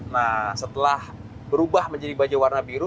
nah setelah berubah menjadi baja warna biru